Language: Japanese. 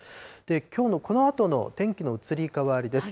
きょうのこのあとの天気の移り変わりです。